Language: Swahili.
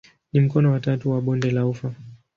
Ni mkono wa tatu wa bonde la ufa.